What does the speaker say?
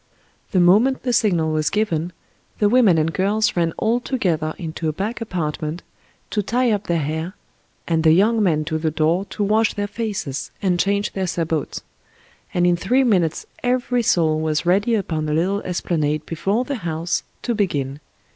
The moment the signal was given, the women and girls ran all together into a back apartment to tie up their hair, and the young men to the door to wash their faces and change their sabots, and in three minutes every soul was ready upon a little esplanade before the house to begin.